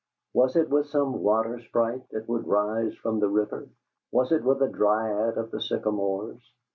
Was it with some water sprite that would rise from the river? Was it with a dryad of the sycamores?